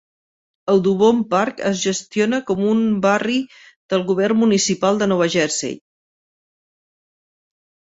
Audubon Park es gestiona com un barri del govern municipal de Nova Jersey.